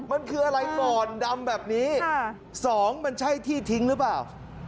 มันคืออะไรก่อนดำแบบนี้สองมันใช่ที่ทิ้งหรือเปล่า